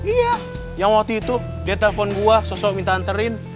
iya yang waktu itu dia telpon gue sosok minta anterin